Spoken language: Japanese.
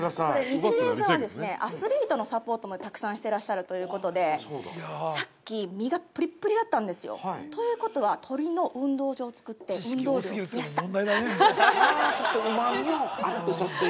◆ニチレイさんはアスリートのサポートもたくさんしていらっしゃるということで、さっき身がぷりっぷりだったんですよ。ということは鶏の運道場を作って運動量を増やした。